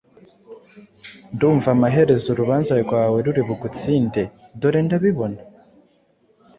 Ndumva amaherezo urubanza rwawe ruri bugutsinde. Dore ndabona